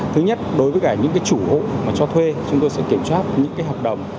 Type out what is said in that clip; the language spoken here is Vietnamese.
thứ nhất đối với cả những cái chủ hộ mà cho thuê chúng tôi sẽ kiểm tra những cái hợp đồng